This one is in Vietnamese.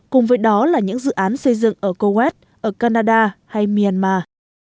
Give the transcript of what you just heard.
cùng với đó là những dự án xây dựng ở kuwait ở canada hay myanmar